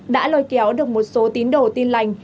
đã lôi kéo được một số tín đồ tin lành